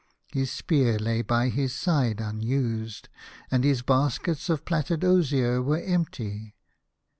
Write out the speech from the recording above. His spear lay by his side unused, and his baskets of plaited osier were empty.